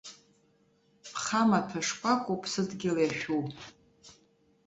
Ԥхамаҭәа шкәакәоуп сыдгьыл иашәу.